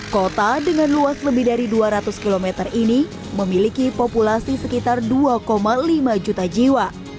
kota dengan luas lebih dari dua ratus km ini memiliki populasi sekitar dua lima juta jiwa